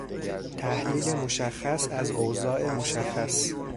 تحلیل مشخص از اوضاع مشخص